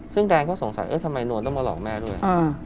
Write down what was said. ซึ่งแดงก็สงสัยทำไมนวลต้องมาหลอกแม่ด้วย